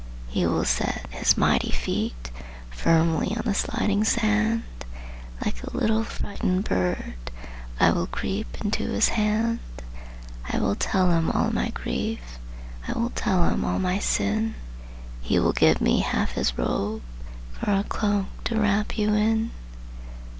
He will set His mighty feet Firmly on the sliding sand; Like a little frightened bird I will creep into His hand; I will tell Him all my grief, I will tell Him all my sin; He will give me half His robe For a cloak to wrap you in.